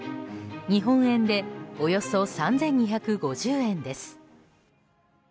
日本円でおよそ３２５０円です。